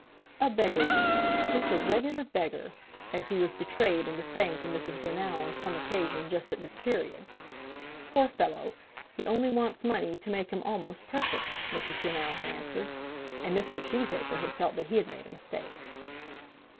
"A beggar, you know; just a regular beggar!" as he was betrayed into saying to Mrs. Greenow on some occasion just at this period. "Poor fellow! He only wants money to make him almost perfect," Mrs. Greenow had answered; and Mr. Cheesacre had felt that he had made a mistake.